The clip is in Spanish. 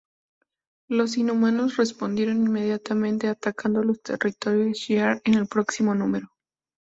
Los Inhumanos respondieron inmediatamente, atacando los territorios Shi'ar en el próximo número.